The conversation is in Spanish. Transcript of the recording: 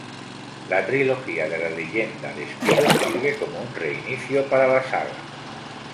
La trilogía la Leyenda de Spyro sirve como un reinicio para la saga.